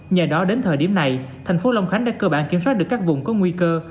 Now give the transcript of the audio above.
nhờ đó đến thời điểm này thành phố long khánh đã cơ bản kiểm soát được các vùng có nguy cơ